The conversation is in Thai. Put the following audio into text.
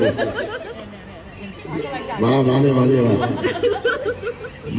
มาทำสัมภาษณ์เยอะอะไรแบบเนี่ย